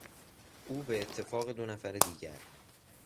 او به اتفاق دو نفر دیگر